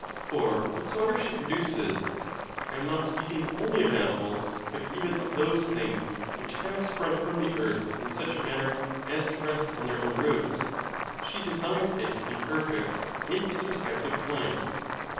For whatsoever she produces (I am not speaking only of animals, but even of those things which have sprung from the earth in such a manner as to rest on their own roots) she designed it to be perfect in its respective kind.